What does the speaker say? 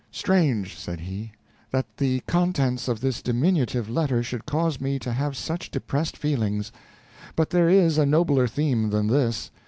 "Strange," said he, "that the contents of this diminutive letter should cause me to have such depressed feelings; but there is a nobler theme than this.